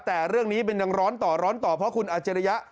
แต่เรื่องนี้เป็นยังร้อนเพราะคุณอาจรยะ